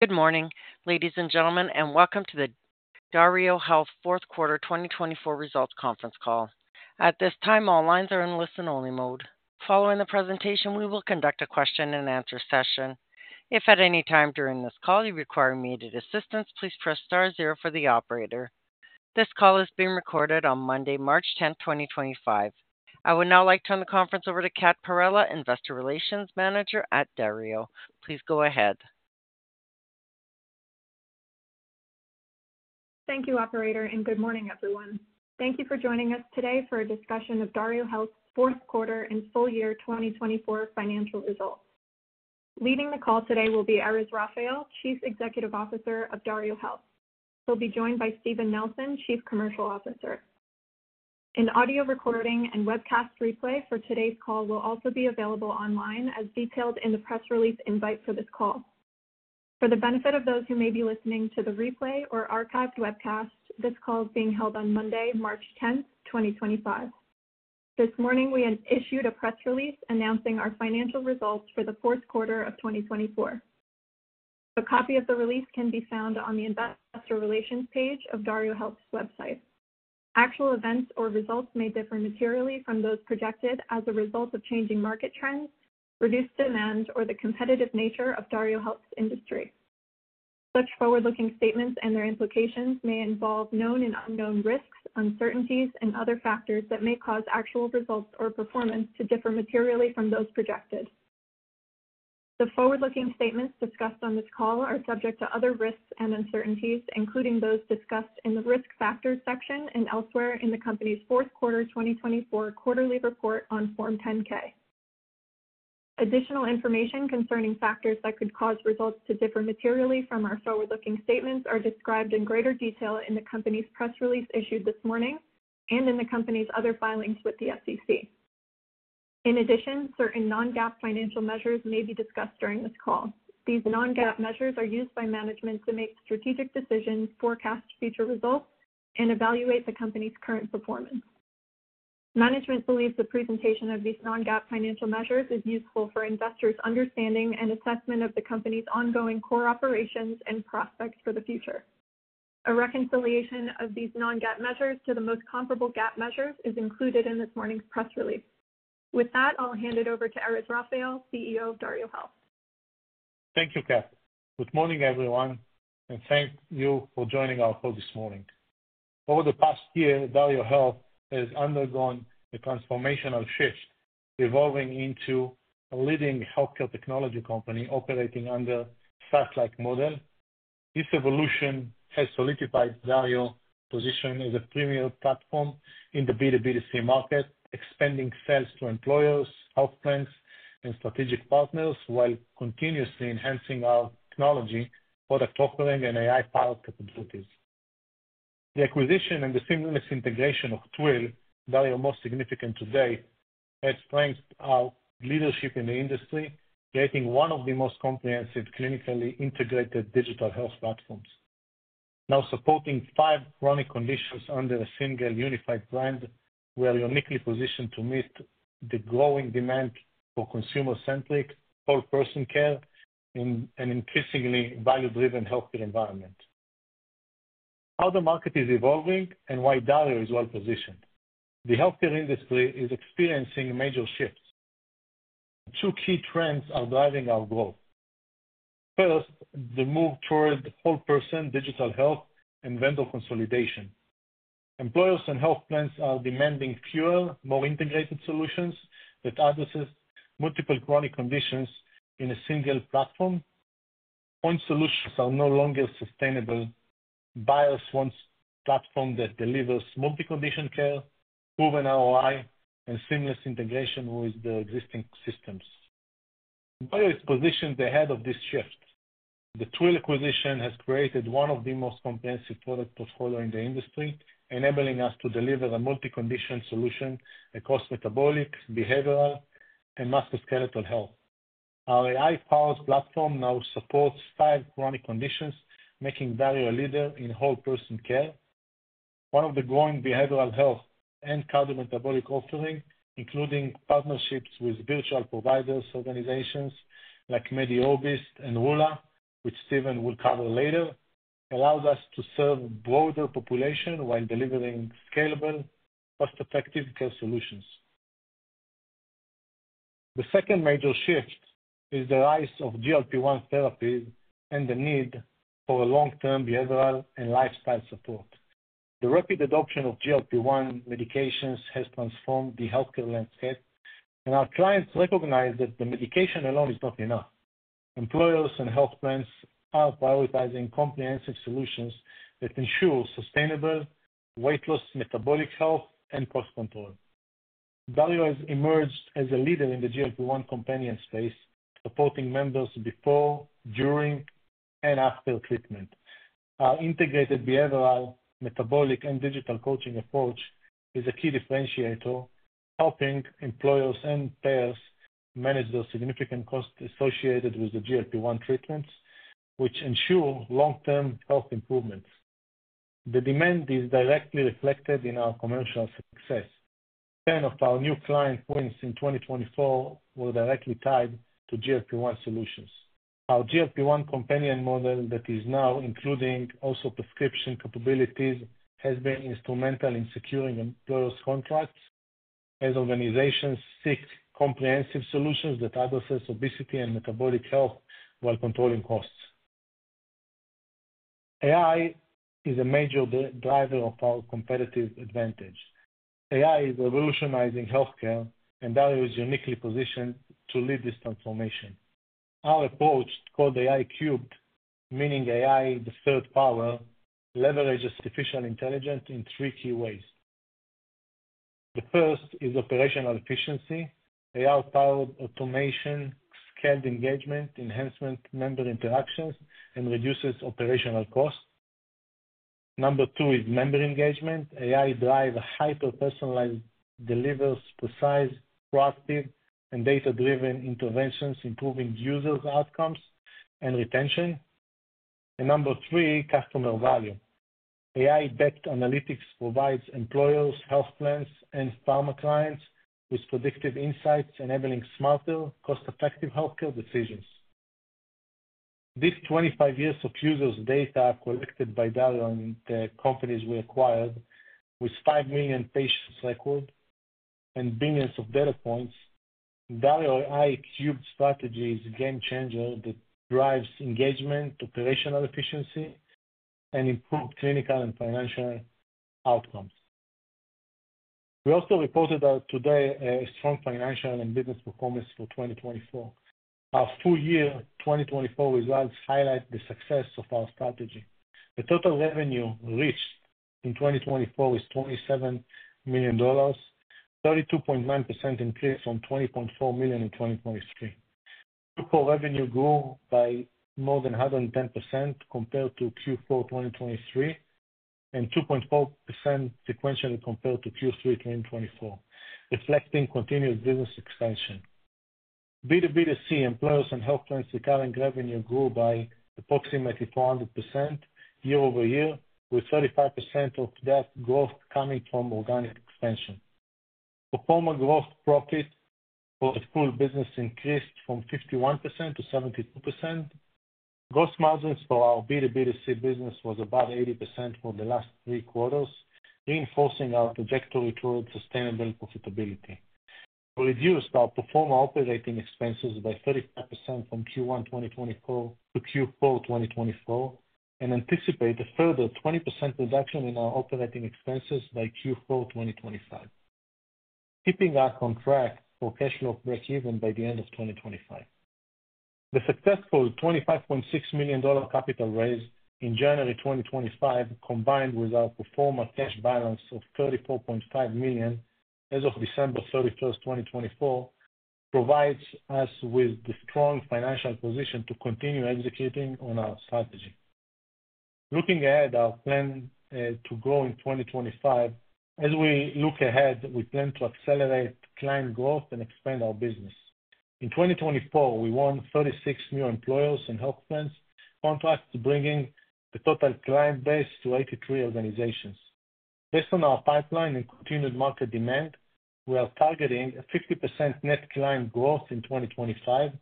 Good morning, ladies and gentlemen, and welcome to the DarioHealth Fourth Quarter 2024 Results Conference Call. At this time, all lines are in listen-only mode. Following the presentation, we will conduct a question-and-answer session. If at any time during this call you require immediate assistance, please press star zero for the operator. This call is being recorded on Monday, March 10, 2025. I would now like to turn the conference over to Kat Parrella, Investor Relations Manager at DarioHealth. Please go ahead. Thank you, Operator, and good morning, everyone. Thank you for joining us today for a discussion of DarioHealth's fourth quarter and full year 2024 financial results. Leading the call today will be Erez Raphael, Chief Executive Officer of DarioHealth. He'll be joined by Steven Nelson, Chief Commercial Officer. An audio recording and webcast replay for today's call will also be available online, as detailed in the press release invite for this call. For the benefit of those who may be listening to the replay or archived webcast, this call is being held on Monday, March 10, 2025. This morning, we issued a press release announcing our financial results for the fourth quarter of 2024. A copy of the release can be found on the Investor Relations page of DarioHealth's website. Actual events or results may differ materially from those projected as a result of changing market trends, reduced demand, or the competitive nature of DarioHealth's industry. Such forward-looking statements and their implications may involve known and unknown risks, uncertainties, and other factors that may cause actual results or performance to differ materially from those projected. The forward-looking statements discussed on this call are subject to other risks and uncertainties, including those discussed in the risk factors section and elsewhere in the company's fourth quarter 2024 Quarterly Report on Form 10-K. Additional information concerning factors that could cause results to differ materially from our forward-looking statements is described in greater detail in the company's press release issued this morning and in the company's other filings with the SEC. In addition, certain non-GAAP financial measures may be discussed during this call. These non-GAAP measures are used by management to make strategic decisions, forecast future results, and evaluate the company's current performance. Management believes the presentation of these non-GAAP financial measures is useful for investors' understanding and assessment of the company's ongoing core operations and prospects for the future. A reconciliation of these non-GAAP measures to the most comparable GAAP measures is included in this morning's press release. With that, I'll hand it over to Erez Raphael, CEO of DarioHealth. Thank you, Kat. Good morning, everyone, and thank you for joining our call this morning. Over the past year, DarioHealth has undergone a transformational shift, evolving into a leading healthcare technology company operating under a satellite model. This evolution has solidified DarioHealth's position as a premier platform in the B2B2C market, expanding sales to employers, health plans, and strategic partners, while continuously enhancing our technology, product offering, and AI-powered capabilities. The acquisition and the seamless integration of Twill, DarioHealth's most significant today, has strengthened our leadership in the industry, creating one of the most comprehensive clinically integrated digital health platforms. Now supporting five chronic conditions under a single unified brand, we are uniquely positioned to meet the growing demand for consumer-centric, whole-person care in an increasingly value-driven healthcare environment. How the market is evolving and why DarioHealth is well-positioned? The healthcare industry is experiencing major shifts, and two key trends are driving our growth. First, the move towards whole-person digital health and vendor consolidation. Employers and health plans are demanding fewer, more integrated solutions that address multiple chronic conditions in a single platform. Point solutions are no longer sustainable. Buyers want a platform that delivers multi-condition care, proven ROI, and seamless integration with the existing systems. DarioHealth is positioned ahead of this shift. The Twill acquisition has created one of the most comprehensive product portfolios in the industry, enabling us to deliver a multi-condition solution across metabolic, behavioral, and musculoskeletal health. Our AI-powered platform now supports five chronic conditions, making DarioHealth a leader in whole-person care. One of the growing behavioral health and cardiometabolic offerings, including partnerships with virtual providers organizations like MediOrbis and Rula, which Steven will cover later, allows us to serve a broader population while delivering scalable, cost-effective care solutions. The second major shift is the rise of GLP-1 therapies and the need for long-term behavioral and lifestyle support. The rapid adoption of GLP-1 medications has transformed the healthcare landscape, and our clients recognize that the medication alone is not enough. Employers and health plans are prioritizing comprehensive solutions that ensure sustainable, weight-loss metabolic health and cost control. DarioHealth has emerged as a leader in the GLP-1 companion space, supporting members before, during, and after treatment. Our integrated behavioral, metabolic, and digital coaching approach is a key differentiator, helping employers and payers manage the significant costs associated with the GLP-1 treatments, which ensure long-term health improvements. The demand is directly reflected in our commercial success. Ten of our new client wins in 2024 were directly tied to GLP-1 solutions. Our GLP-1 companion model that is now including also prescription capabilities has been instrumental in securing employers' contracts as organizations seek comprehensive solutions that address obesity and metabolic health while controlling costs. AI is a major driver of our competitive advantage. AI is revolutionizing healthcare, and DarioHealth is uniquely positioned to lead this transformation. Our approach, called AI-CUBED, meaning AI the third power, leverages artificial intelligence in three key ways. The first is operational efficiency. AI-powered automation scaled engagement, enhancement member interactions, and reduces operational costs. Number two is member engagement. AI-driven hyper-personalized delivers precise, proactive, and data-driven interventions, improving users' outcomes and retention. Number three, customer value. AI-backed analytics provides employers, health plans, and pharma clients with predictive insights, enabling smarter, cost-effective healthcare decisions. These 25 years of users' data collected by Dario and the companies we acquired, with 5 million patients recorded and billions of data points, Dario AI-CUBED strategy is a game changer that drives engagement, operational efficiency, and improved clinical and financial outcomes. We also reported today a strong financial and business performance for 2024. Our full year 2024 results highlight the success of our strategy. The total revenue reached in 2024 is $27 million, 32.9% increase from $20.4 million in 2023. Q4 revenue grew by more than 110% compared to Q4 2023 and 2.4% sequentially compared to Q3 2024, reflecting continuous business expansion. B2B2C employers and health plans recurring revenue grew by approximately 400% year-over-year, with 35% of that growth coming from organic expansion. Pro forma growth profit for the full business increased from 51%-72%. Gross margins for our B2B2C business was about 80% for the last three quarters, reinforcing our trajectory towards sustainable profitability. We reduced our pro forma operating expenses by 35% from Q1 2024 to Q4 2024 and anticipate a further 20% reduction in our operating expenses by Q4 2025, keeping our on track for cash flow break-even by the end of 2025. The successful $25.6 million capital raise in January 2025, combined with our performance cash balance of $34.5 million as of December 31, 2024, provides us with the strong financial position to continue executing on our strategy. Looking ahead, our plan to grow in 2025. As we look ahead, we plan to accelerate client growth and expand our business. In 2024, we won 36 new employers and health plans contracts, bringing the total client base to 83 organizations. Based on our pipeline and continued market demand, we are targeting a 50% net client growth in 2025,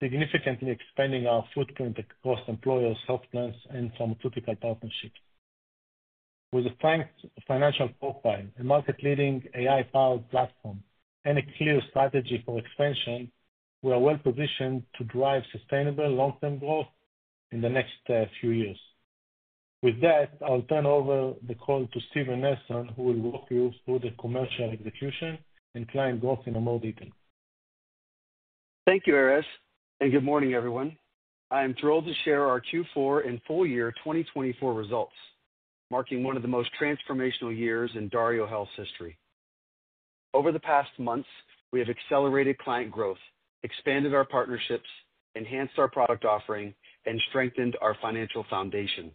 significantly expanding our footprint across employers, health plans, and pharmaceutical partnerships. With a strengthened financial profile, a market-leading AI-powered platform, and a clear strategy for expansion, we are well-positioned to drive sustainable long-term growth in the next few years. With that, I'll turn over the call to Steven Nelson, who will walk you through the commercial execution and client growth in more detail. Thank you, Erez, and good morning, everyone. I am thrilled to share our Q4 and full year 2024 results, marking one of the most transformational years in DarioHealth's history. Over the past months, we have accelerated client growth, expanded our partnerships, enhanced our product offering, and strengthened our financial foundation.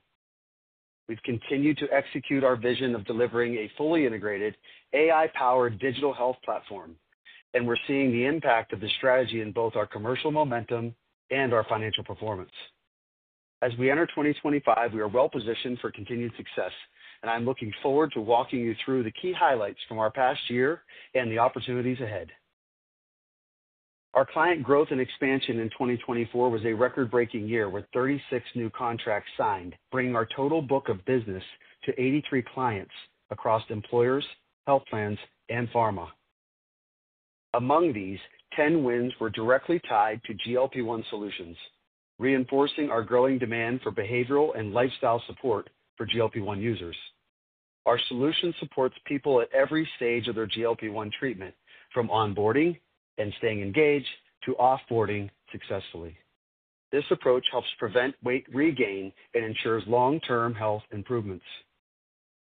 We've continued to execute our vision of delivering a fully integrated AI-powered digital health platform, and we're seeing the impact of the strategy in both our commercial momentum and our financial performance. As we enter 2025, we are well-positioned for continued success, and I'm looking forward to walking you through the key highlights from our past year and the opportunities ahead. Our client growth and expansion in 2024 was a record-breaking year with 36 new contracts signed, bringing our total book of business to 83 clients across employers, health plans, and pharma. Among these, 10 wins were directly tied to GLP-1 solutions, reinforcing our growing demand for behavioral and lifestyle support for GLP-1 users. Our solution supports people at every stage of their GLP-1 treatment, from onboarding and staying engaged to offboarding successfully. This approach helps prevent weight regain and ensures long-term health improvements.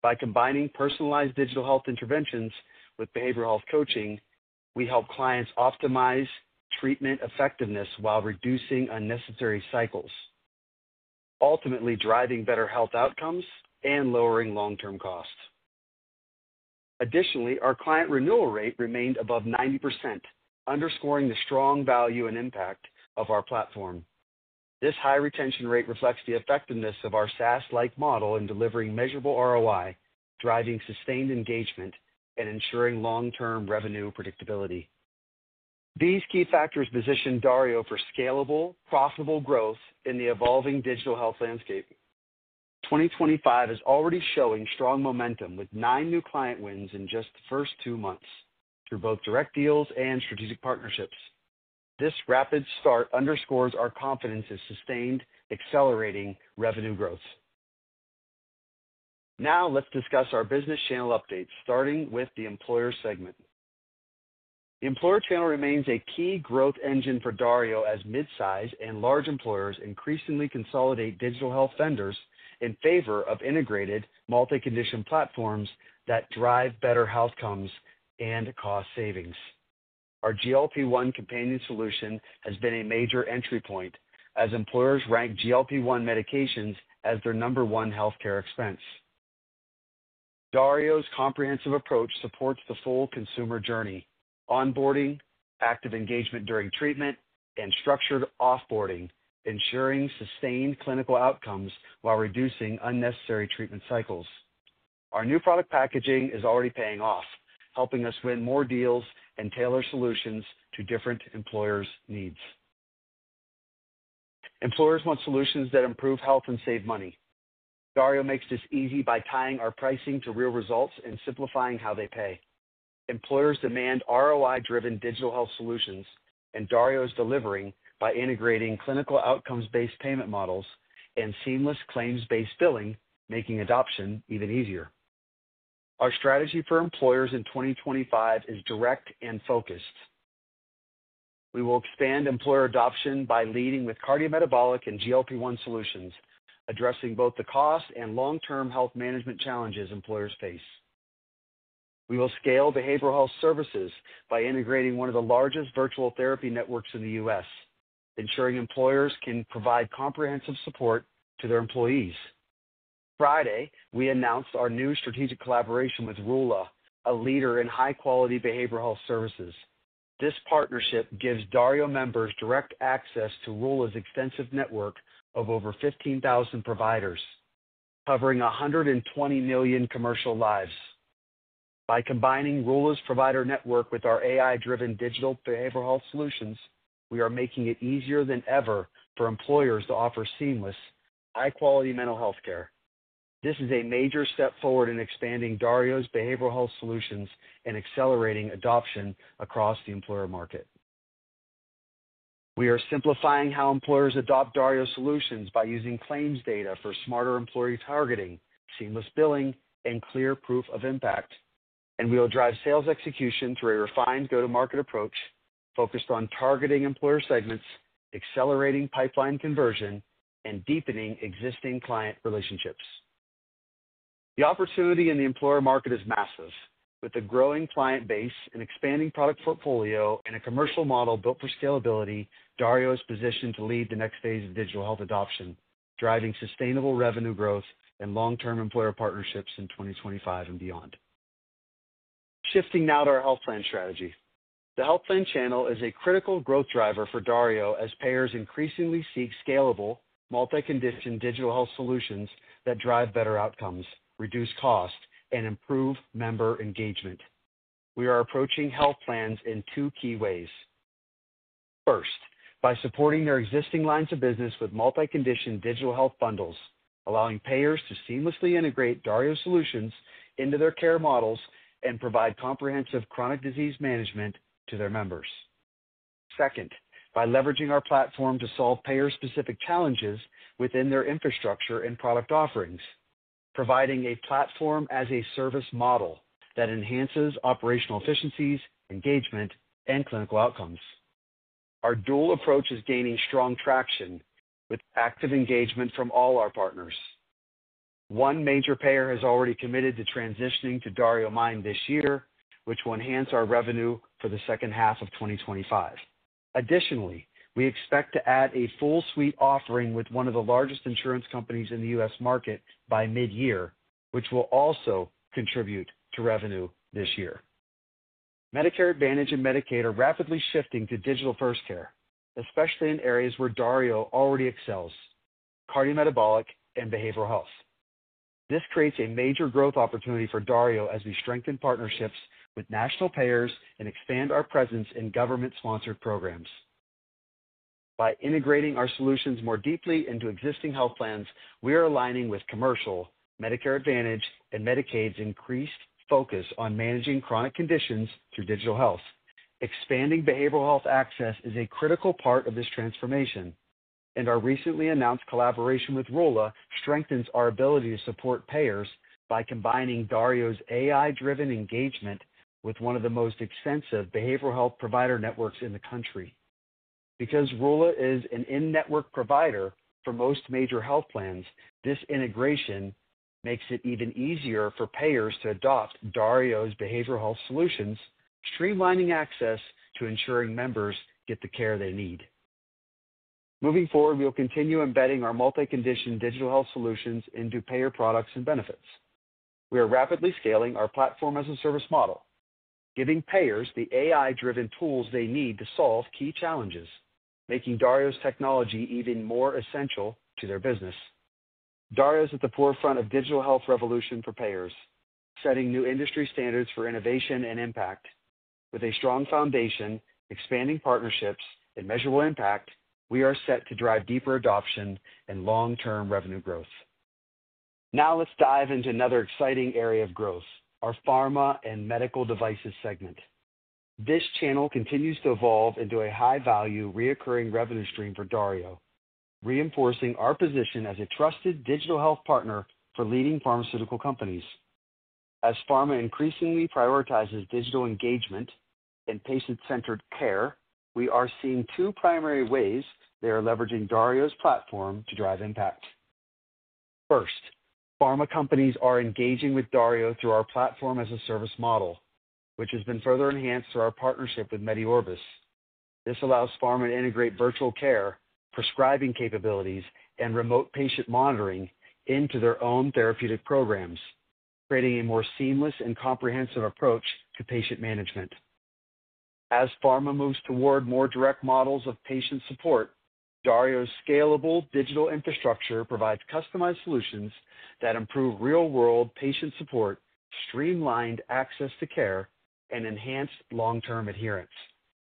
By combining personalized digital health interventions with behavioral health coaching, we help clients optimize treatment effectiveness while reducing unnecessary cycles, ultimately driving better health outcomes and lowering long-term costs. Additionally, our client renewal rate remained above 90%, underscoring the strong value and impact of our platform. This high retention rate reflects the effectiveness of our SaaS-like model in delivering measurable ROI, driving sustained engagement, and ensuring long-term revenue predictability. These key factors position DarioHealth for scalable, profitable growth in the evolving digital health landscape. 2025 is already showing strong momentum with nine new client wins in just the first two months through both direct deals and strategic partnerships. This rapid start underscores our confidence in sustained, accelerating revenue growth. Now, let's discuss our business channel updates, starting with the employer segment. The employer channel remains a key growth engine for DarioHealth as mid-size and large employers increasingly consolidate digital health vendors in favor of integrated multi-condition platforms that drive better health outcomes and cost savings. Our GLP-1 companion solution has been a major entry point as employers rank GLP-1 medications as their number one healthcare expense. DarioHealth's comprehensive approach supports the full consumer journey: onboarding, active engagement during treatment, and structured offboarding, ensuring sustained clinical outcomes while reducing unnecessary treatment cycles. Our new product packaging is already paying off, helping us win more deals and tailor solutions to different employers' needs. Employers want solutions that improve health and save money. Dario makes this easy by tying our pricing to real results and simplifying how they pay. Employers demand ROI-driven digital health solutions, and Dario is delivering by integrating clinical outcomes-based payment models and seamless claims-based billing, making adoption even easier. Our strategy for employers in 2025 is direct and focused. We will expand employer adoption by leading with cardiometabolic and GLP-1 solutions, addressing both the cost and long-term health management challenges employers face. We will scale behavioral health services by integrating one of the largest virtual therapy networks in the US, ensuring employers can provide comprehensive support to their employees. Friday, we announced our new strategic collaboration with Rula, a leader in high-quality behavioral health services. This partnership gives Dario members direct access to Rula's extensive network of over 15,000 providers, covering 120 million commercial lives. By combining Rula's provider network with our AI-driven digital behavioral health solutions, we are making it easier than ever for employers to offer seamless, high-quality mental healthcare. This is a major step forward in expanding DarioHealth's behavioral health solutions and accelerating adoption across the employer market. We are simplifying how employers adopt DarioHealth's solutions by using claims data for smarter employee targeting, seamless billing, and clear proof of impact, and we will drive sales execution through a refined go-to-market approach focused on targeting employer segments, accelerating pipeline conversion, and deepening existing client relationships. The opportunity in the employer market is massive. With a growing client base, an expanding product portfolio, and a commercial model built for scalability, DarioHealth is positioned to lead the next phase of digital health adoption, driving sustainable revenue growth and long-term employer partnerships in 2025 and beyond. Shifting now to our health plan strategy. The health plan channel is a critical growth driver for Dario as payers increasingly seek scalable, multi-condition digital health solutions that drive better outcomes, reduce costs, and improve member engagement. We are approaching health plans in two key ways. First, by supporting their existing lines of business with multi-condition digital health bundles, allowing payers to seamlessly integrate Dario's solutions into their care models and provide comprehensive chronic disease management to their members. Second, by leveraging our platform to solve payer-specific challenges within their infrastructure and product offerings, providing a platform-as-a-service model that enhances operational efficiencies, engagement, and clinical outcomes. Our dual approach is gaining strong traction with active engagement from all our partners. One major payer has already committed to transitioning to Dario Mind this year, which will enhance our revenue for the second half of 2025. Additionally, we expect to add a full suite offering with one of the largest insurance companies in the US market by mid-year, which will also contribute to revenue this year. Medicare Advantage and Medicaid are rapidly shifting to digital first care, especially in areas where Dario already excels: cardiometabolic and behavioral health. This creates a major growth opportunity for Dario as we strengthen partnerships with national payers and expand our presence in government-sponsored programs. By integrating our solutions more deeply into existing health plans, we are aligning with commercial, Medicare Advantage, and Medicaid's increased focus on managing chronic conditions through digital health. Expanding behavioral health access is a critical part of this transformation, and our recently announced collaboration with Rula strengthens our ability to support payers by combining Dario's AI-driven engagement with one of the most extensive behavioral health provider networks in the country. Because Rula is an in-network provider for most major health plans, this integration makes it even easier for payers to adopt Dario's behavioral health solutions, streamlining access to ensuring members get the care they need. Moving forward, we'll continue embedding our multi-condition digital health solutions into payer products and benefits. We are rapidly scaling our platform-as-a-service model, giving payers the AI-driven tools they need to solve key challenges, making Dario's technology even more essential to their business. Dario is at the forefront of the digital health revolution for payers, setting new industry standards for innovation and impact. With a strong foundation, expanding partnerships, and measurable impact, we are set to drive deeper adoption and long-term revenue growth. Now, let's dive into another exciting area of growth: our pharma and medical devices segment. This channel continues to evolve into a high-value, recurring revenue stream for DarioHealth, reinforcing our position as a trusted digital health partner for leading pharmaceutical companies. As pharma increasingly prioritizes digital engagement and patient-centered care, we are seeing two primary ways they are leveraging DarioHealth's platform to drive impact. First, pharma companies are engaging with DarioHealth through our platform-as-a-service model, which has been further enhanced through our partnership with MediOrbis. This allows pharma to integrate virtual care, prescribing capabilities, and remote patient monitoring into their own therapeutic programs, creating a more seamless and comprehensive approach to patient management. As pharma moves toward more direct models of patient support, DarioHealth's scalable digital infrastructure provides customized solutions that improve real-world patient support, streamlined access to care, and enhanced long-term adherence.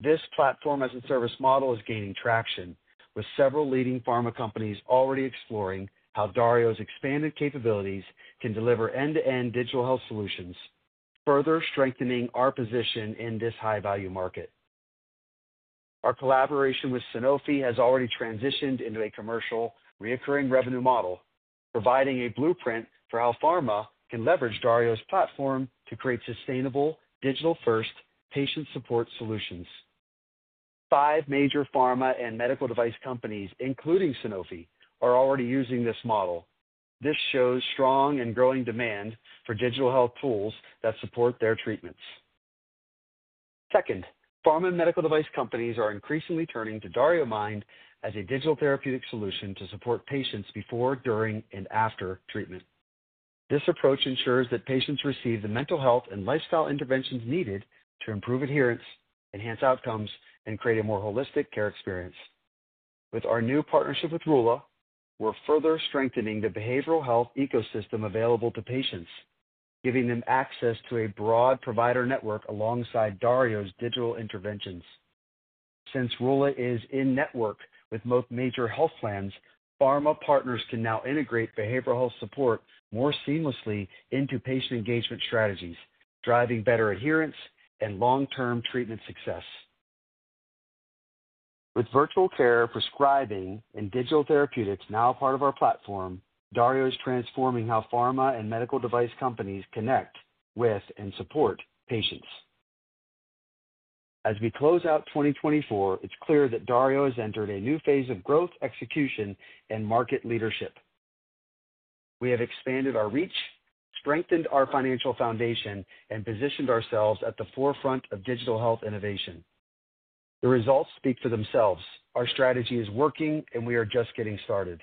This platform-as-a-service model is gaining traction, with several leading pharma companies already exploring how Dario's expanded capabilities can deliver end-to-end digital health solutions, further strengthening our position in this high-value market. Our collaboration with Sanofi has already transitioned into a commercial, recurring revenue model, providing a blueprint for how pharma can leverage Dario's platform to create sustainable, digital-first patient support solutions. Five major pharma and medical device companies, including Sanofi, are already using this model. This shows strong and growing demand for digital health tools that support their treatments. Second, pharma and medical device companies are increasingly turning to DarioMind as a digital therapeutic solution to support patients before, during, and after treatment. This approach ensures that patients receive the mental health and lifestyle interventions needed to improve adherence, enhance outcomes, and create a more holistic care experience. With our new partnership with Rula, we're further strengthening the behavioral health ecosystem available to patients, giving them access to a broad provider network alongside Dario's digital interventions. Since Rula is in-network with most major health plans, pharma partners can now integrate behavioral health support more seamlessly into patient engagement strategies, driving better adherence and long-term treatment success. With virtual care, prescribing, and digital therapeutics now part of our platform, Dario is transforming how pharma and medical device companies connect with and support patients. As we close out 2024, it's clear that Dario has entered a new phase of growth, execution, and market leadership. We have expanded our reach, strengthened our financial foundation, and positioned ourselves at the forefront of digital health innovation. The results speak for themselves. Our strategy is working, and we are just getting started.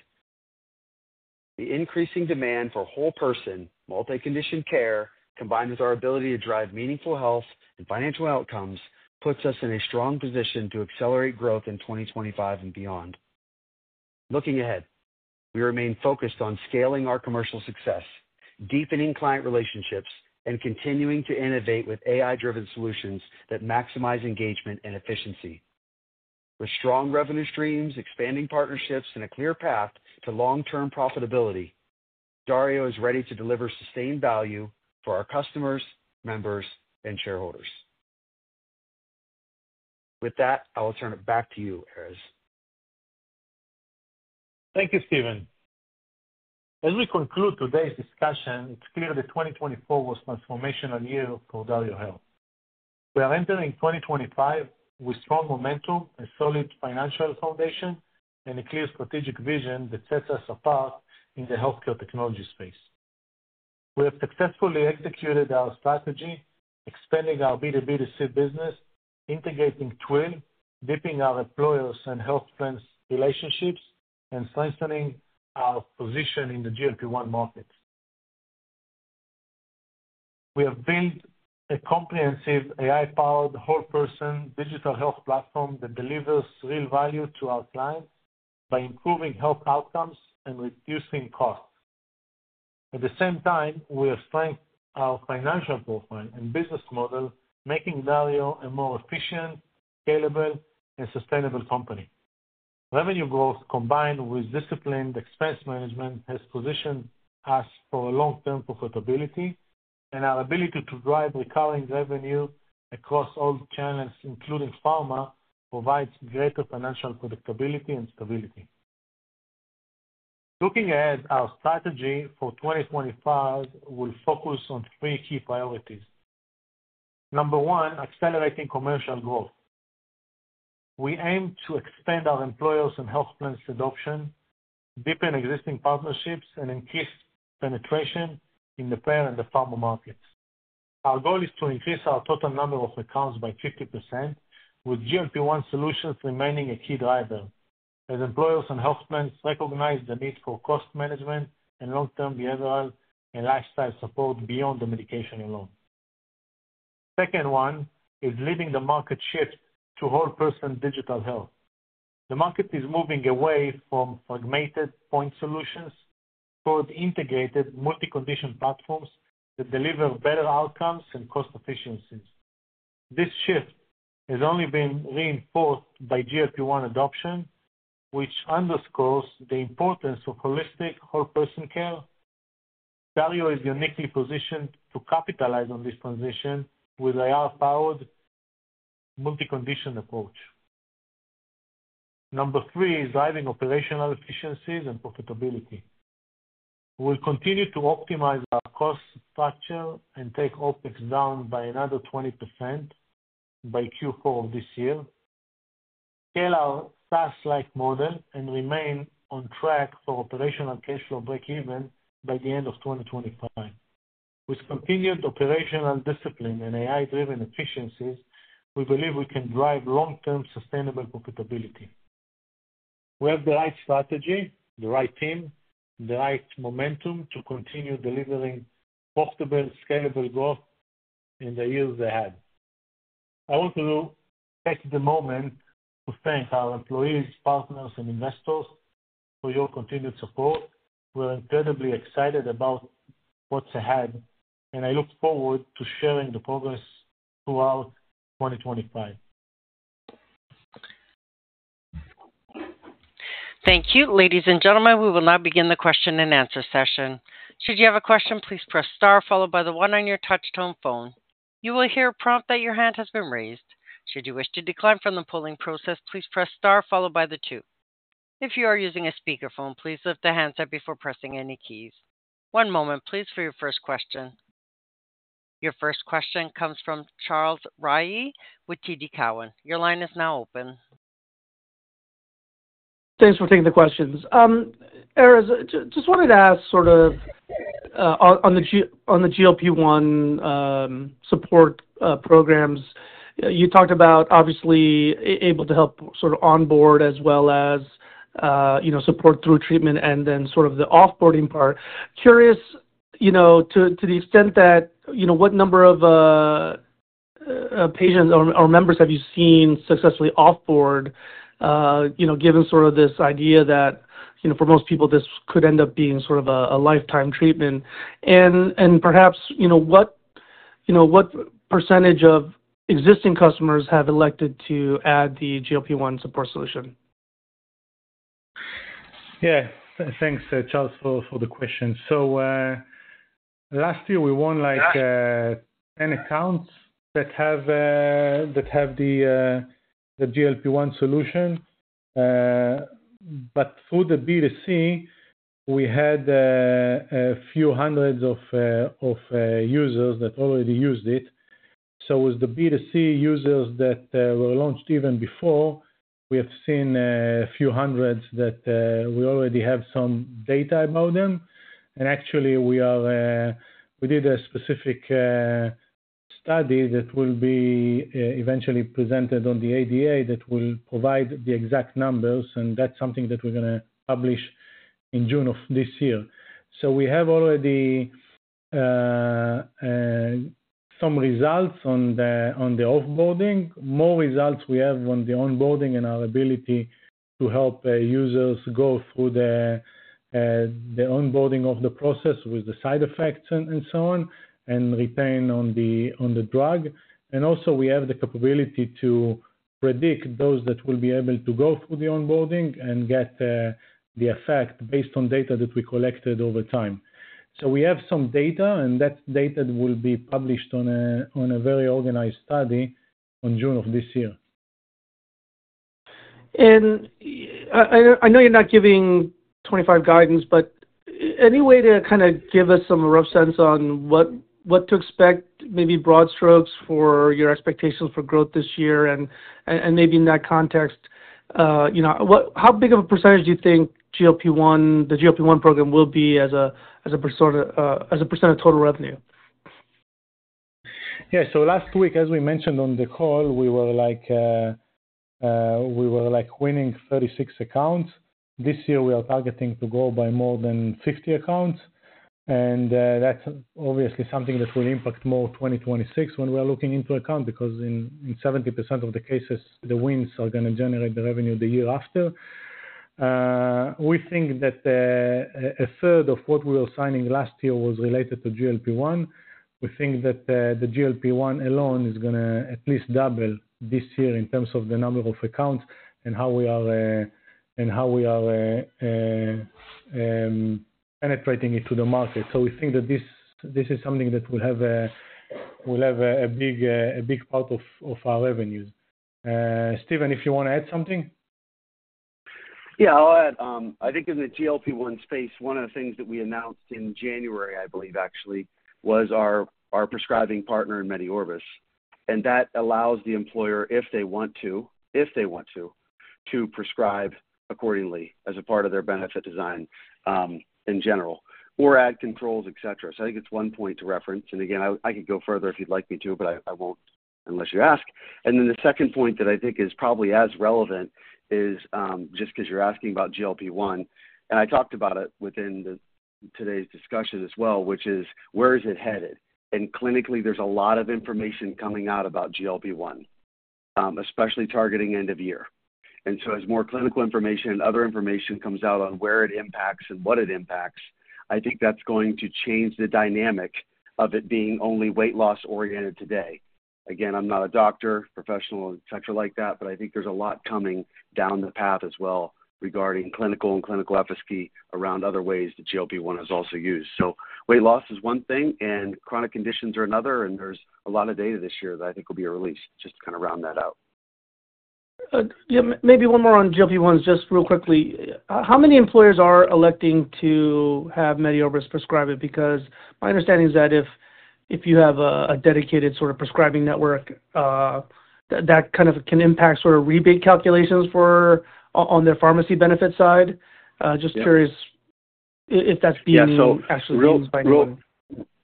The increasing demand for whole-person, multi-condition care, combined with our ability to drive meaningful health and financial outcomes, puts us in a strong position to accelerate growth in 2025 and beyond. Looking ahead, we remain focused on scaling our commercial success, deepening client relationships, and continuing to innovate with AI-driven solutions that maximize engagement and efficiency. With strong revenue streams, expanding partnerships, and a clear path to long-term profitability, Dario is ready to deliver sustained value for our customers, members, and shareholders. With that, I will turn it back to you, Erez. Thank you, Steven. As we conclude today's discussion, it's clear that 2024 was a transformational year for DarioHealth. We are entering 2025 with strong momentum, a solid financial foundation, and a clear strategic vision that sets us apart in the healthcare technology space. We have successfully executed our strategy, expanding our B2B2C business, integrating Twill, deepening our employers' and health plans' relationships, and strengthening our position in the GLP-1 market. We have built a comprehensive AI-powered whole-person digital health platform that delivers real value to our clients by improving health outcomes and reducing costs. At the same time, we have strengthened our financial profile and business model, making DarioHealth a more efficient, scalable, and sustainable company. Revenue growth, combined with disciplined expense management, has positioned us for long-term profitability, and our ability to drive recurring revenue across all channels, including pharma, provides greater financial predictability and stability. Looking ahead, our strategy for 2025 will focus on three key priorities. Number one, accelerating commercial growth. We aim to expand our employers' and health plans' adoption, deepen existing partnerships, and increase penetration in the payer and the pharma markets. Our goal is to increase our total number of accounts by 50%, with GLP-1 solutions remaining a key driver, as employers and health plans recognize the need for cost management and long-term behavioral and lifestyle support beyond the medication alone. Second one is leading the market shift to whole-person digital health. The market is moving away from fragmented point solutions toward integrated multi-condition platforms that deliver better outcomes and cost efficiencies. This shift has only been reinforced by GLP-1 adoption, which underscores the importance of holistic whole-person care. DarioHealth is uniquely positioned to capitalize on this transition with an AI-powered multi-condition approach. Number three is driving operational efficiencies and profitability. We'll continue to optimize our cost structure and take OpEx down by another 20% by Q4 of this year, scale our SaaS-like model, and remain on track for operational cash flow break-even by the end of 2025. With continued operational discipline and AI-driven efficiencies, we believe we can drive long-term sustainable profitability. We have the right strategy, the right team, and the right momentum to continue delivering profitable, scalable growth in the years ahead. I want to take the moment to thank our employees, partners, and investors for your continued support. We're incredibly excited about what's ahead, and I look forward to sharing the progress throughout 2025. Thank you. Ladies and gentlemen, we will now begin the question and answer session. Should you have a question, please press star, followed by the one on your touch-tone phone. You will hear a prompt that your hand has been raised. Should you wish to decline from the polling process, please press star, followed by the two. If you are using a speakerphone, please lift the handset before pressing any keys. One moment, please, for your first question. Your first question comes from Charles Ryee with TD Cowen. Your line is now open. Thanks for taking the questions. Erez, just wanted to ask sort of on the GLP-1 support programs, you talked about obviously able to help sort of onboard as well as support through treatment and then sort of the offboarding part. Curious, to the extent that what number of patients or members have you seen successfully offboard, given sort of this idea that for most people, this could end up being sort of a lifetime treatment? And perhaps what percentage of existing customers have elected to add the GLP-1 support solution? Yeah. Thanks, Charles, for the question. Last year, we won like 10 accounts that have the GLP-1 solution. Through the B2C, we had a few hundreds of users that already used it. With the B2C users that were launched even before, we have seen a few hundreds that we already have some data about them. Actually, we did a specific study that will be eventually presented on the ADA that will provide the exact numbers, and that's something that we're going to publish in June of this year. We have already some results on the offboarding. More results we have on the onboarding and our ability to help users go through the onboarding of the process with the side effects and so on, and retain on the drug. Also, we have the capability to predict those that will be able to go through the onboarding and get the effect based on data that we collected over time. We have some data, and that's data that will be published on a very organized study in June of this year. I know you're not giving 2025 guidance, but any way to kind of give us some rough sense on what to expect, maybe broad strokes for your expectations for growth this year? Maybe in that context, how big of a percentage do you think the GLP-1 program will be as a percent of total revenue? Yeah. Last week, as we mentioned on the call, we were winning 36 accounts. This year, we are targeting to go by more than 50 accounts. That's obviously something that will impact more 2026 when we are looking into account because in 70% of the cases, the wins are going to generate the revenue the year after. We think that a third of what we were signing last year was related to GLP-1. We think that the GLP-1 alone is going to at least double this year in terms of the number of accounts and how we are penetrating into the market. We think that this is something that will have a big part of our revenues. Steven, if you want to add something. Yeah. I'll add. I think in the GLP-1 space, one of the things that we announced in January, I believe, actually, was our prescribing partner in MediOrbis. That allows the employer, if they want to, if they want to, to prescribe accordingly as a part of their benefit design in general or add controls, etc. I think it's one point to reference. Again, I could go further if you'd like me to, but I won't unless you ask. The second point that I think is probably as relevant is just because you're asking about GLP-1. I talked about it within today's discussion as well, which is where is it headed? Clinically, there's a lot of information coming out about GLP-1, especially targeting end of year. As more clinical information and other information comes out on where it impacts and what it impacts, I think that's going to change the dynamic of it being only weight loss-oriented today. Again, I'm not a doctor, professional, etc. like that, but I think there's a lot coming down the path as well regarding clinical and clinical efficacy around other ways that GLP-1 is also used. Weight loss is one thing, and chronic conditions are another. There is a lot of data this year that I think will be released, just to kind of round that out. Yeah. Maybe one more on GLP-1s, just real quickly. How many employers are electing to have MediOrbis prescribe it? Because my understanding is that if you have a dedicated sort of prescribing network, that kind of can impact sort of rebate calculations on their pharmacy benefit side. Just curious if that's being actually used by anybody.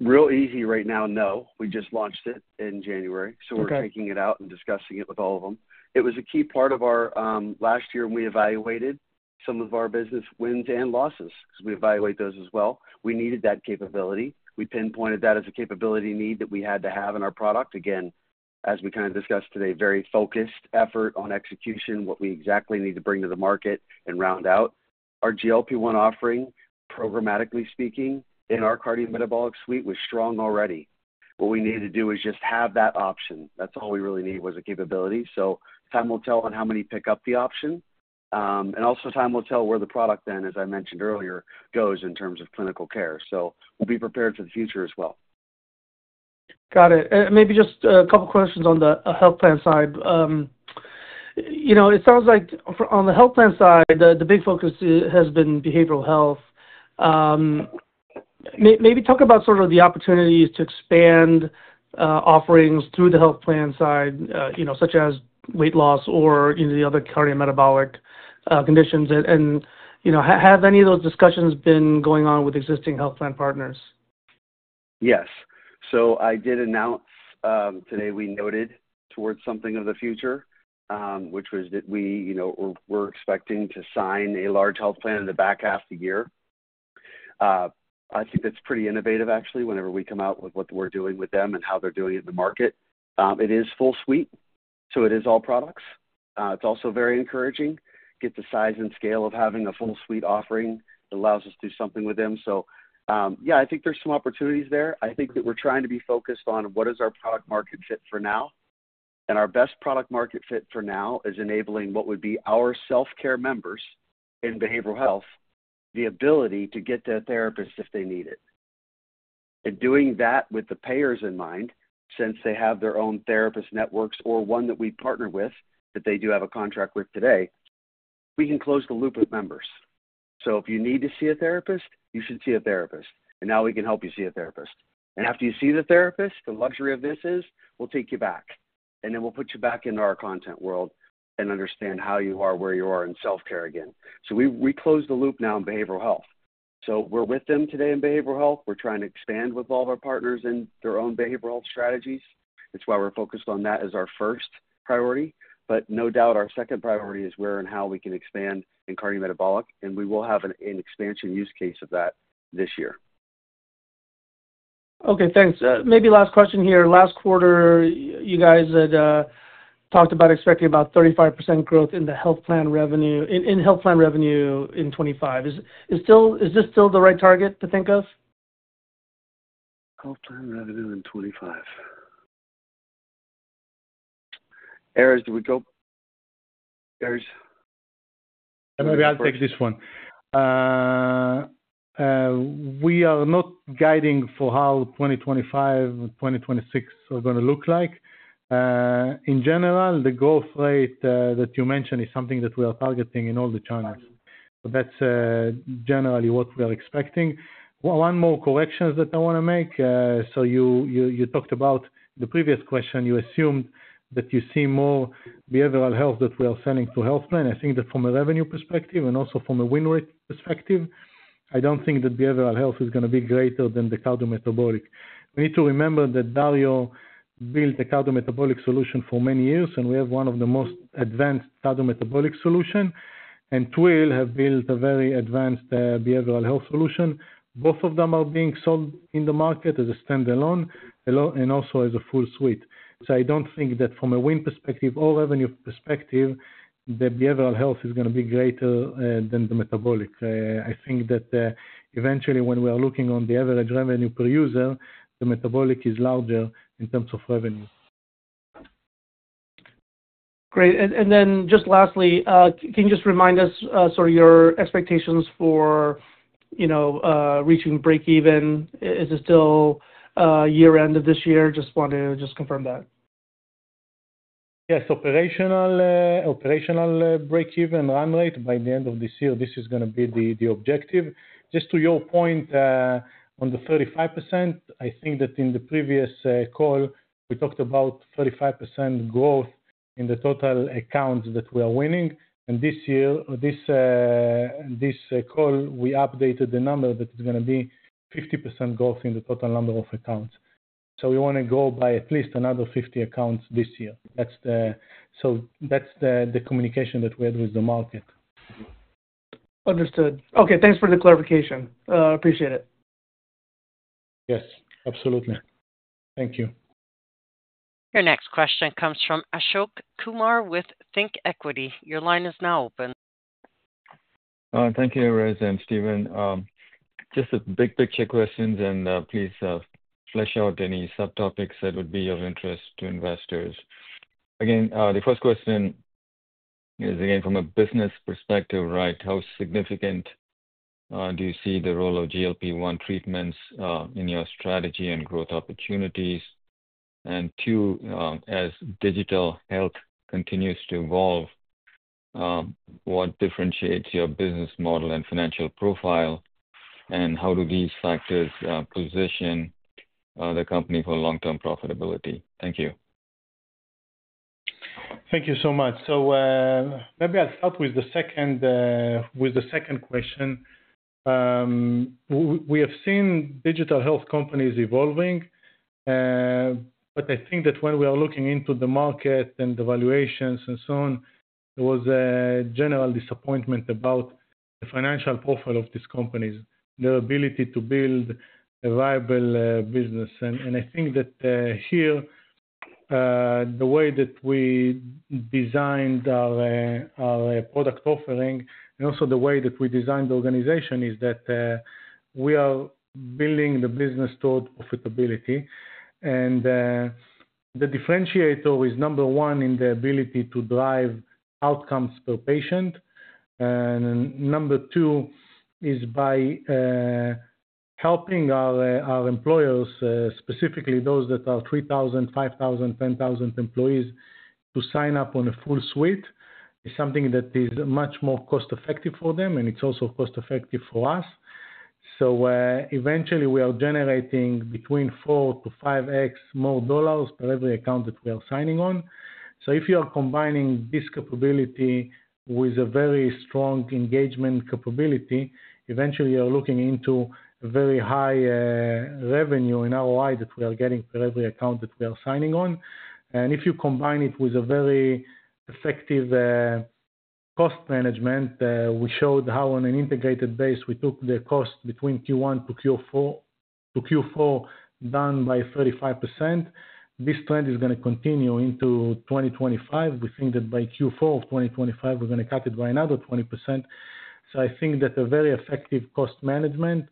Real easy right now, no. We just launched it in January. We are taking it out and discussing it with all of them. It was a key part of our last year when we evaluated some of our business wins and losses because we evaluate those as well. We needed that capability. We pinpointed that as a capability need that we had to have in our product. Again, as we kind of discussed today, very focused effort on execution, what we exactly need to bring to the market and round out. Our GLP-1 offering, programmatically speaking, in our cardiometabolic suite was strong already. What we needed to do was just have that option. That's all we really need was a capability. Time will tell on how many pick up the option. Also, time will tell where the product then, as I mentioned earlier, goes in terms of clinical care. We will be prepared for the future as well. Got it. Maybe just a couple of questions on the health plan side. It sounds like on the health plan side, the big focus has been behavioral health. Maybe talk about sort of the opportunities to expand offerings through the health plan side, such as weight loss or the other cardiometabolic conditions. Have any of those discussions been going on with existing health plan partners? Yes. I did announce today we noted towards something of the future, which was that we were expecting to sign a large health plan in the back half of the year. I think that's pretty innovative, actually, whenever we come out with what we're doing with them and how they're doing it in the market. It is full suite, so it is all products. It's also very encouraging to get the size and scale of having a full suite offering that allows us to do something with them. I think there's some opportunities there. I think that we're trying to be focused on what is our product market fit for now. Our best product market fit for now is enabling what would be our self-care members in behavioral health, the ability to get to a therapist if they need it. Doing that with the payers in mind, since they have their own therapist networks or one that we partner with that they do have a contract with today, we can close the loop with members. If you need to see a therapist, you should see a therapist. Now we can help you see a therapist. After you see the therapist, the luxury of this is we'll take you back. Then we'll put you back into our content world and understand how you are, where you are in self-care again. We closed the loop now in behavioral health. We're with them today in behavioral health. We're trying to expand with all of our partners and their own behavioral health strategies. That's why we're focused on that as our first priority. No doubt our second priority is where and how we can expand in cardiometabolic. We will have an expansion use case of that this year. Okay. Thanks. Maybe last question here. Last quarter, you guys had talked about expecting about 35% growth in health plan revenue in 2025. Is this still the right target to think of? Health plan revenue in 2025. Erez, did we go? Erez? Maybe I'll take this one. We are not guiding for how 2025 and 2026 are going to look like. In general, the growth rate that you mentioned is something that we are targeting in all the channels. That's generally what we are expecting. One more correction that I want to make. You talked about the previous question. You assumed that you see more behavioral health that we are selling to health plan. I think that from a revenue perspective and also from a win rate perspective, I do not think that behavioral health is going to be greater than the cardiometabolic. We need to remember that DarioHealth built a cardiometabolic solution for many years, and we have one of the most advanced cardiometabolic solutions. Twill have built a very advanced behavioral health solution. Both of them are being sold in the market as a standalone and also as a full suite. I do not think that from a win perspective or revenue perspective, the behavioral health is going to be greater than the metabolic. I think that eventually, when we are looking on the average revenue per user, the metabolic is larger in terms of revenue. Great. Just lastly, can you just remind us sort of your expectations for reaching break-even? Is it still year-end of this year? Just want to just confirm that. Yes. Operational break-even run rate by the end of this year. This is going to be the objective. Just to your point on the 35%, I think that in the previous call, we talked about 35% growth in the total accounts that we are winning. In this call, we updated the number that it's going to be 50% growth in the total number of accounts. We want to go by at least another 50 accounts this year. That's the communication that we had with the market. Understood. Okay. Thanks for the clarification. Appreciate it. Yes. Absolutely. Thank you. Your next question comes from Ashok Kumar with ThinkEquity. Your line is now open. Thank you, Erez and Steven. Just a big picture question, and please flesh out any subtopics that would be of interest to investors. Again, the first question is again from a business perspective, right? How significant do you see the role of GLP-1 treatments in your strategy and growth opportunities? Two, as digital health continues to evolve, what differentiates your business model and financial profile? How do these factors position the company for long-term profitability? Thank you. Thank you so much. Maybe I'll start with the second question. We have seen digital health companies evolving, but I think that when we are looking into the market and the valuations and so on, there was a general disappointment about the financial profile of these companies, their ability to build a viable business. I think that here, the way that we designed our product offering and also the way that we designed the organization is that we are building the business toward profitability. The differentiator is, number one, in the ability to drive outcomes per patient. Number two is by helping our employers, specifically those that are 3,000, 5,000, 10,000 employees, to sign up on a full suite. It is something that is much more cost-effective for them, and it is also cost-effective for us. Eventually, we are generating between 4-5x more dollars per every account that we are signing on. If you are combining this capability with a very strong engagement capability, eventually, you are looking into a very high revenue in ROI that we are getting per every account that we are signing on. If you combine it with very effective cost management, we showed how on an integrated base, we took the cost between Q1-Q4 down by 35%. This trend is going to continue into 2025. We think that by Q4 of 2025, we're going to cut it by another 20%. I think that very effective cost management,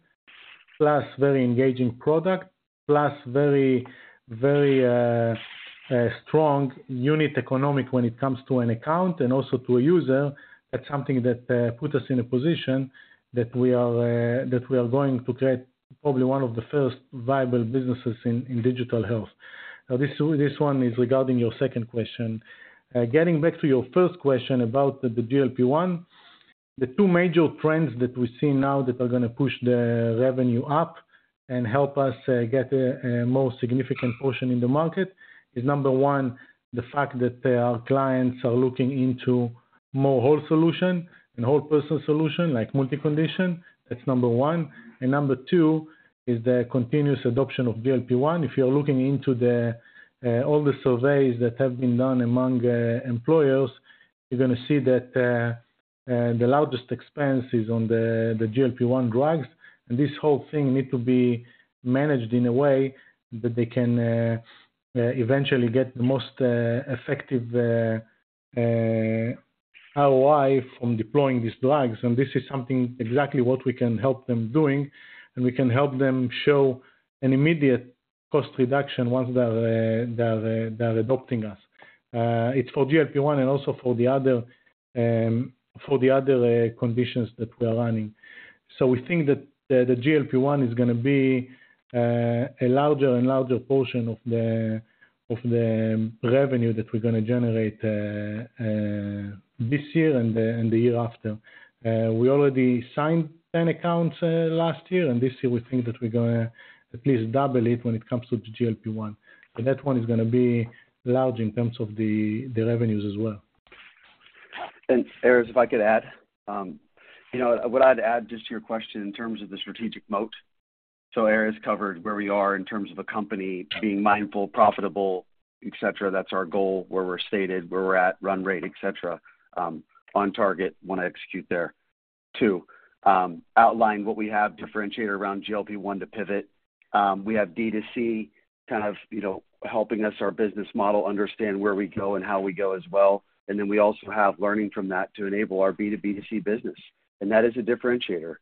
plus very engaging product, plus very strong unit economic when it comes to an account and also to a user, that's something that puts us in a position that we are going to create probably one of the first viable businesses in digital health. Now, this one is regarding your second question. Getting back to your first question about the GLP-1, the two major trends that we see now that are going to push the revenue up and help us get a more significant portion in the market is, number one, the fact that our clients are looking into more whole solution and whole person solution like multicondition. That's number one. Number two is the continuous adoption of GLP-1. If you're looking into all the surveys that have been done among employers, you're going to see that the largest expense is on the GLP-1 drugs. This whole thing needs to be managed in a way that they can eventually get the most effective ROI from deploying these drugs. This is something exactly what we can help them doing. We can help them show an immediate cost reduction once they are adopting us. It's for GLP-1 and also for the other conditions that we are running. We think that the GLP-1 is going to be a larger and larger portion of the revenue that we're going to generate this year and the year after. We already signed 10 accounts last year. This year, we think that we're going to at least double it when it comes to the GLP-1. That one is going to be large in terms of the revenues as well. Erez, if I could add, what I'd add just to your question in terms of the strategic moat. Erez covered where we are in terms of a company being mindful, profitable, etc. That's our goal where we're stated, where we're at, run rate, etc. On target, want to execute there. Two, outline what we have, differentiate around GLP-1 to pivot. We have B2C kind of helping us, our business model understand where we go and how we go as well. We also have learning from that to enable our B2B2C business. That is a differentiator.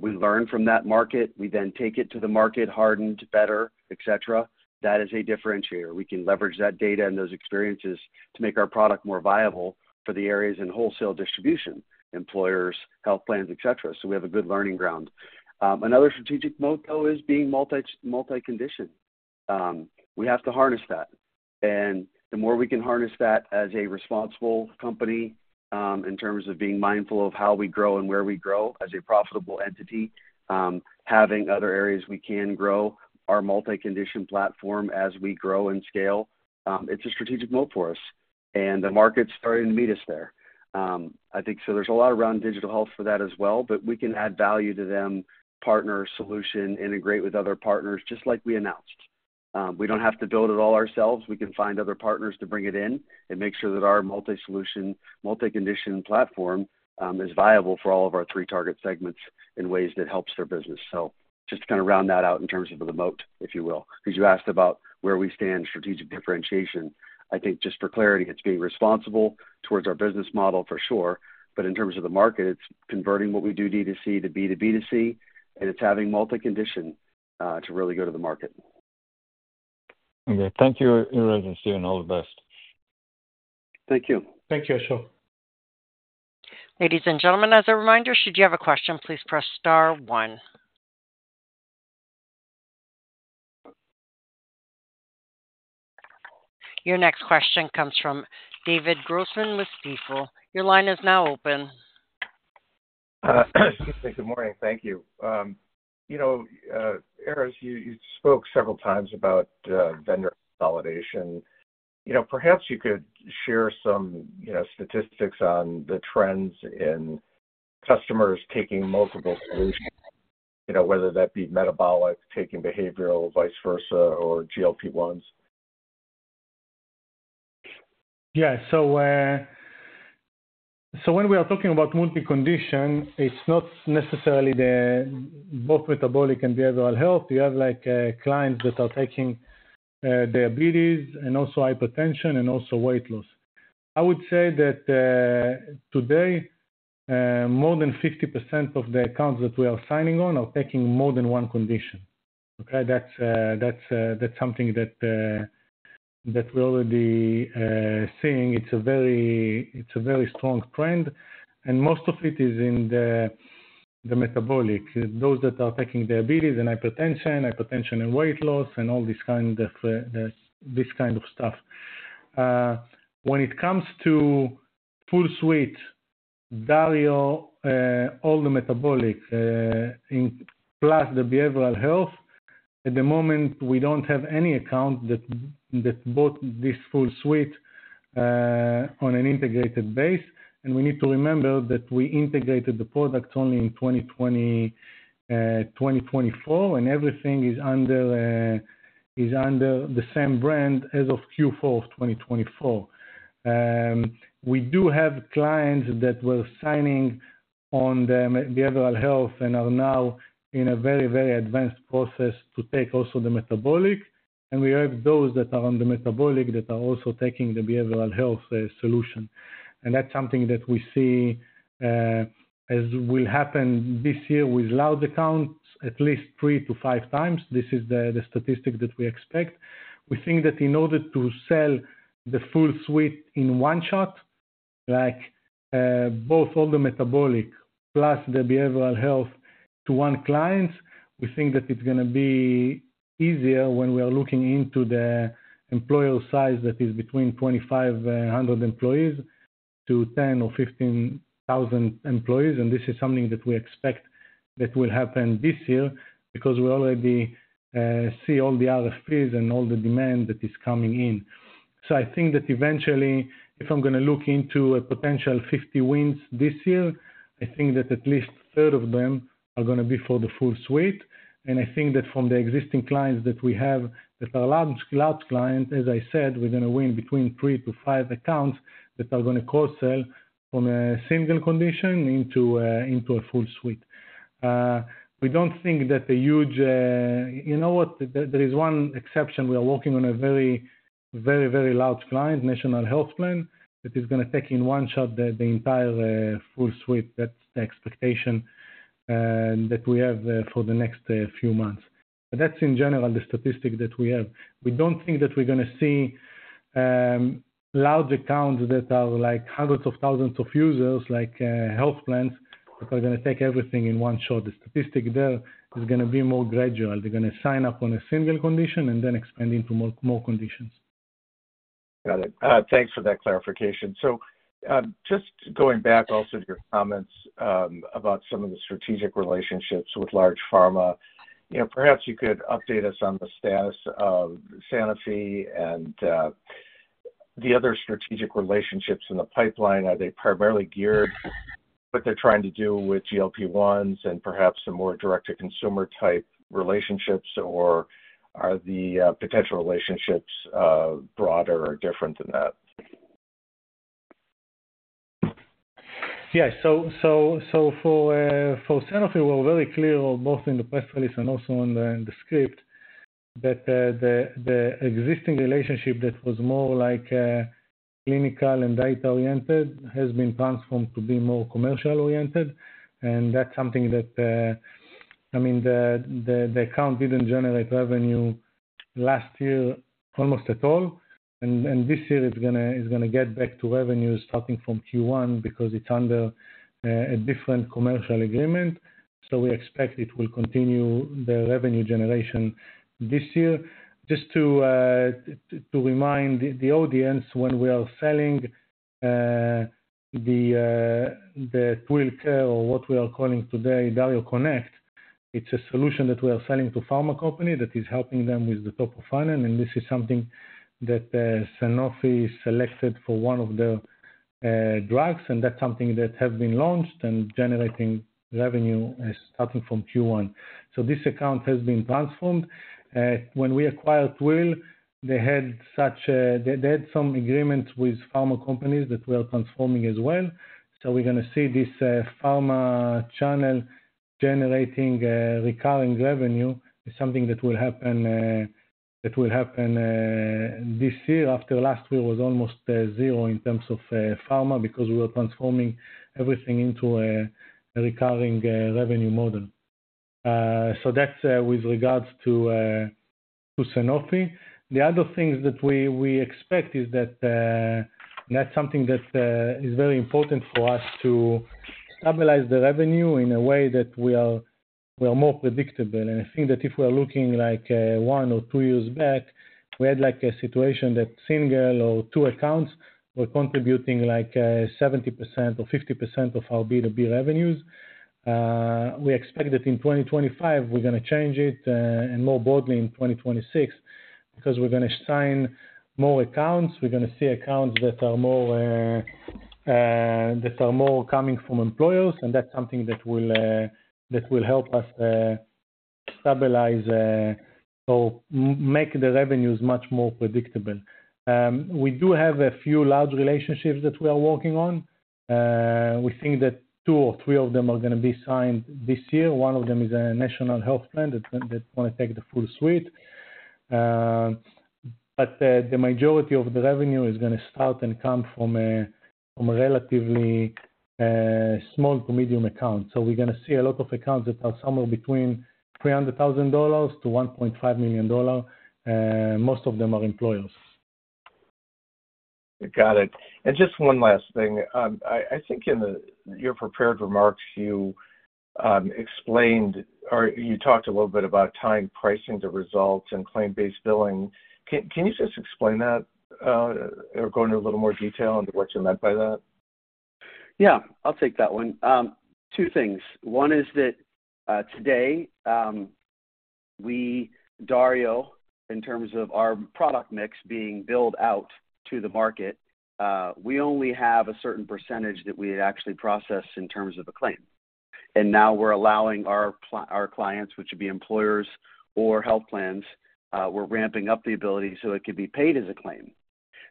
We learn from that market. We then take it to the market, hardened better, etc. That is a differentiator. We can leverage that data and those experiences to make our product more viable for the areas in wholesale distribution, employers, health plans, etc. We have a good learning ground. Another strategic moat, though, is being multiconditioned. We have to harness that. The more we can harness that as a responsible company in terms of being mindful of how we grow and where we grow as a profitable entity, having other areas we can grow, our multicondition platform as we grow and scale, it's a strategic moat for us. The market's starting to meet us there. I think there's a lot around digital health for that as well. We can add value to them, partner solution, integrate with other partners just like we announced. We don't have to build it all ourselves. We can find other partners to bring it in and make sure that our multi-condition platform is viable for all of our three target segments in ways that helps their business. Just to kind of round that out in terms of the moat, if you will, because you asked about where we stand, strategic differentiation. I think just for clarity, it's being responsible towards our business model for sure. In terms of the market, it's converting what we do D2C to B2B2C. It's having multi-condition to really go to the market. Okay. Thank you, Erez and Steven. All the best. Thank you. Thank you, Ashok. Ladies and gentlemen, as a reminder, should you have a question, please press star one. Your next question comes from David Grossman with Stifel. Your line is now open. Good morning. Thank you. Erez, you spoke several times about vendor consolidation. Perhaps you could share some statistics on the trends in customers taking multiple solutions, whether that be metabolic, taking behavioral, vice versa, or GLP-1s. Yeah. When we are talking about multicondition, it's not necessarily both metabolic and behavioral health. You have clients that are taking diabetes and also hypertension and also weight loss. I would say that today, more than 50% of the accounts that we are signing on are taking more than one condition. Okay? That's something that we're already seeing. It's a very strong trend. Most of it is in the metabolic, those that are taking diabetes and hypertension, hypertension and weight loss, and all this kind of stuff. When it comes to full suite, Dario, all the metabolic, plus the behavioral health, at the moment, we do not have any account that bought this full suite on an integrated base. We need to remember that we integrated the product only in 2024, and everything is under the same brand as of Q4 of 2024. We do have clients that were signing on the behavioral health and are now in a very, very advanced process to take also the metabolic. We have those that are on the metabolic that are also taking the behavioral health solution. That is something that we see as will happen this year with large accounts, at least three to five times. This is the statistic that we expect. We think that in order to sell the full suite in one shot, both all the metabolic plus the behavioral health to one client, we think that it's going to be easier when we are looking into the employer size that is between 2,500 employees-10,000 or 15,000 employees. This is something that we expect that will happen this year because we already see all the RFPs and all the demand that is coming in. I think that eventually, if I'm going to look into a potential 50 wins this year, I think that at least a third of them are going to be for the full suite. I think that from the existing clients that we have that are large clients, as I said, we're going to win between three and five accounts that are going to cross-sell from a single condition into a full suite. We don't think that a huge, you know what? There is one exception. We are working on a very, very, very large client, national health plan, that is going to take in one shot the entire full suite. That's the expectation that we have for the next few months. That is in general the statistic that we have. We don't think that we're going to see large accounts that are like hundreds of thousands of users, like health plans, that are going to take everything in one shot. The statistic there is going to be more gradual. They're going to sign up on a single condition and then expand into more conditions. Got it. Thanks for that clarification. Just going back also to your comments about some of the strategic relationships with large pharma, perhaps you could update us on the status of Sanofi and the other strategic relationships in the pipeline. Are they primarily geared to what they're trying to do with GLP-1s and perhaps some more direct-to-consumer type relationships, or are the potential relationships broader or different than that? Yeah. For Sanofi, we're very clear, both in the press release and also in the script, that the existing relationship that was more clinical and data-oriented has been transformed to be more commercial-oriented. That's something that, I mean, the account didn't generate revenue last year almost at all. This year, it's going to get back to revenues starting from Q1 because it's under a different commercial agreement. We expect it will continue the revenue generation this year. Just to remind the audience, when we are selling the Twill Care or what we are calling today, Dario Connect, it's a solution that we are selling to pharma companies that is helping them with the top of funnel. This is something that Sanofi selected for one of their drugs. That's something that has been launched and generating revenue starting from Q1. This account has been transformed. When we acquired Twill, they had some agreements with pharma companies that we are transforming as well. We're going to see this pharma channel generating recurring revenue. It's something that will happen this year. After last year, it was almost zero in terms of pharma because we were transforming everything into a recurring revenue model. That is with regards to Sanofi. The other things that we expect is that that is something that is very important for us to stabilize the revenue in a way that we are more predictable. I think that if we are looking like one or two years back, we had a situation that single or two accounts were contributing like 70% or 50% of our B2B revenues. We expect that in 2025, we are going to change it, and more broadly in 2026, because we are going to sign more accounts. We are going to see accounts that are more coming from employers. That is something that will help us stabilize or make the revenues much more predictable. We do have a few large relationships that we are working on. We think that two or three of them are going to be signed this year. One of them is a National Health Plan that want to take the full suite. The majority of the revenue is going to start and come from a relatively small to medium account. We are going to see a lot of accounts that are somewhere between $300,000-$1.5 million. Most of them are employers. Got it. Just one last thing. I think in your prepared remarks, you explained or you talked a little bit about tying pricing to results and claim-based billing. Can you just explain that or go into a little more detail into what you meant by that? Yeah. I'll take that one. Two things. One is that today, we, Dario, in terms of our product mix being billed out to the market, we only have a certain percentage that we had actually processed in terms of a claim. Now we're allowing our clients, which would be employers or health plans, we're ramping up the ability so it could be paid as a claim.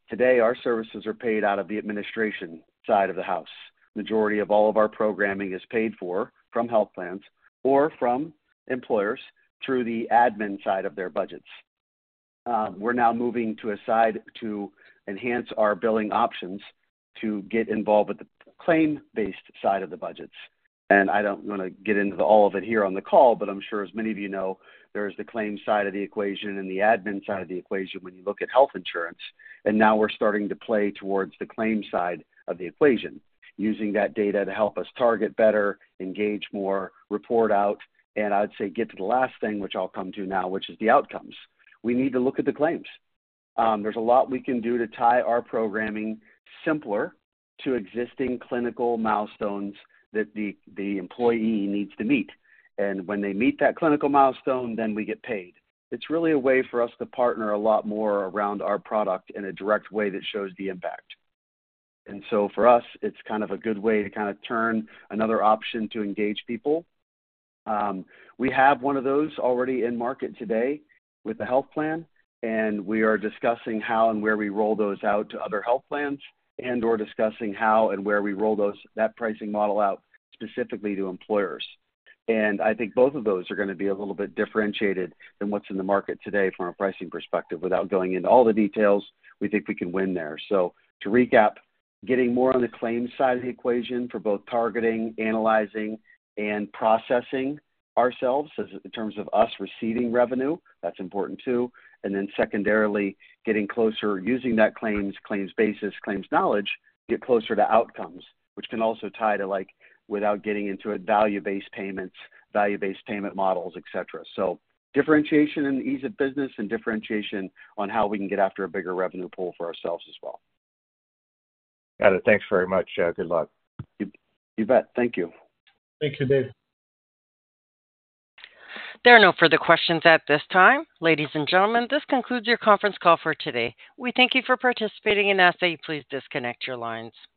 Today, our services are paid out of the administration side of the house. Majority of all of our programming is paid for from health plans or from employers through the admin side of their budgets. We're now moving to a side to enhance our billing options to get involved with the claim-based side of the budgets. I don't want to get into all of it here on the call, but I'm sure as many of you know, there is the claim side of the equation and the admin side of the equation when you look at health insurance. Now we're starting to play towards the claim side of the equation, using that data to help us target better, engage more, report out. I'd say get to the last thing, which I'll come to now, which is the outcomes. We need to look at the claims. There's a lot we can do to tie our programming simpler to existing clinical milestones that the employee needs to meet. When they meet that clinical milestone, then we get paid. It's really a way for us to partner a lot more around our product in a direct way that shows the impact. For us, it's kind of a good way to kind of turn another option to engage people. We have one of those already in market today with the health plan. We are discussing how and where we roll those out to other health plans and/or discussing how and where we roll that pricing model out specifically to employers. I think both of those are going to be a little bit differentiated than what's in the market today from a pricing perspective. Without going into all the details, we think we can win there. To recap, getting more on the claim side of the equation for both targeting, analyzing, and processing ourselves in terms of us receiving revenue, that's important too. Secondarily, getting closer, using that claims, claims basis, claims knowledge, get closer to outcomes, which can also tie to, without getting into value-based payments, value-based payment models, etc. Differentiation and ease of business and differentiation on how we can get after a bigger revenue pool for ourselves as well. Got it. Thanks very much. Good luck. You bet. Thank you. Thank you, Dave. There are no further questions at this time. Ladies and gentlemen, this concludes your conference call for today. We thank you for participating and ask that you please disconnect your lines.